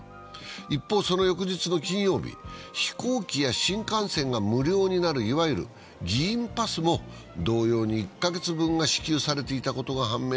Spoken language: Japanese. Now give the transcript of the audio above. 一方、その翌日の金曜日、飛行機や新幹線が無料になる、いわゆる議員パスも同様に１カ月分が支給されていたことが判明。